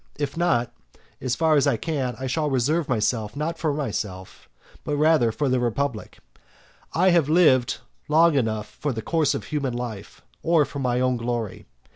If not, as far as I can I shall reserve myself not for myself, but rather for the republic. I have lived long enough for the course of human life, or for my own glory.